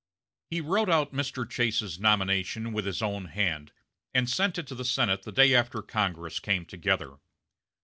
He wrote out Mr. Chase's nomination with his own hand, and sent it to the Senate the day after Congress came together.